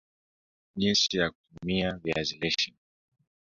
Jinsi ya kutumia viazi lishe